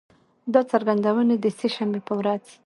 دا څرګندونې د سه شنبې په ورځ